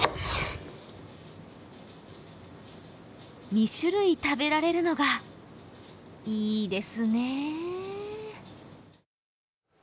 ２種類食べられるのがいいですねぇ。